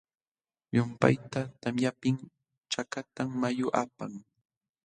Llumpayta tamyaptin chakatam mayu apan.